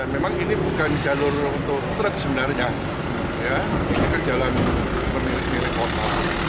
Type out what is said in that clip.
memang ini bukan jalur untuk truk sebenarnya ini ke jalan pemilik milik kota